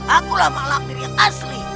akulah malampir yang asli